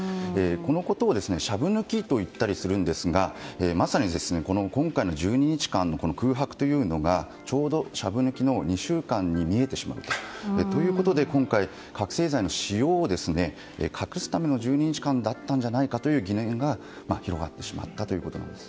このことをシャブ抜きと言ったりしますがまさに今回の１２日間の空白というのがちょうどシャブ抜きの２週間に見えてしまうと。ということで今回、覚醒剤の使用を隠すための１２日間だったんじゃないかという疑念が広がってしまったということです。